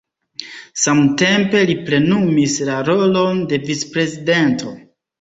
Samtempe li plenumis la rolon de vicprezidento.